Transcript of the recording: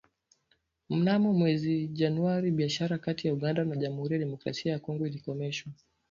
Mnamo mwezi Januari biashara kati ya Uganda na Jamuhuri ya Demokrasia ya Kongo ilikomeshwa